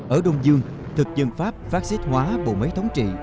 ở đông dương thực dân pháp phát xích hóa bộ mấy thống trị